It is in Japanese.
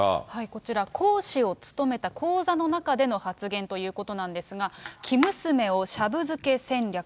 こちら、講師を務めた講座の中での発言ということなんですが、生娘をシャブ漬け戦略。